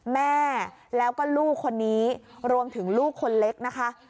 แม่แล้วก็ลูกคนนี้รวมถึงลูกคนเล็กนะคะ